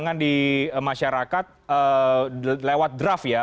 percaya dengan perbincangan di masyarakat lewat draft ya